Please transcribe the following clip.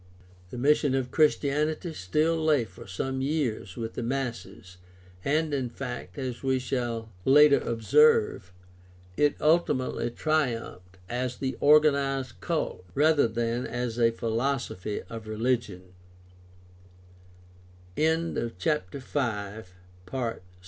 The mission of Christianity still lay for some years with the masses, and in fact, as we shall later observe, it ultimately triumphed as an organized cult rather than as a philosoph